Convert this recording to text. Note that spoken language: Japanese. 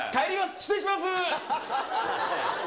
失礼します。